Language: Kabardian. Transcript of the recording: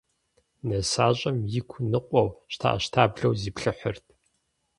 Нысащӏэм игу ныкъуэу, щтэӏэщтаблэу зиплъыхьырт.